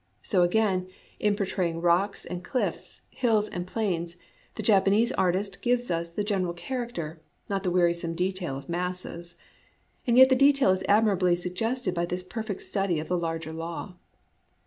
So again, in portraying rocks and cliffs, hills and plains, the Japanese artist gives us the general character, not the wearisome detail of masses ; and yet the detail is admirably sug gested by this perfect study of the larger law.